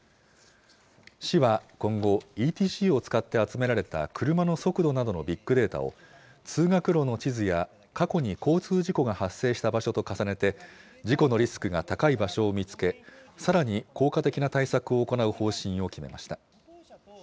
市は今後、ＥＴＣを使って集められた車の速度などのビッグデータを、通学路の地図や過去に交通事故が発生した場所と重ねて、事故のリスクが高い場所を見つけ、さらに効果的な対策を行う方針を決めました。